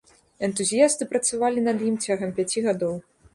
Энтузіясты працавалі над ім цягам пяці гадоў.